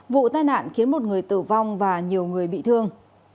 vụ tai nạn khiến một người tử vong và nhiều người bị thương